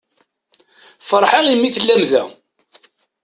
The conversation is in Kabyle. Ferḥeɣ imi tellam da.